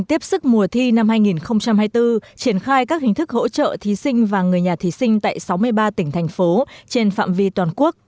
tiếp mùa thi năm hai nghìn hai mươi bốn triển khai các hình thức hỗ trợ thí sinh và người nhà thí sinh tại sáu mươi ba tỉnh thành phố trên phạm vi toàn quốc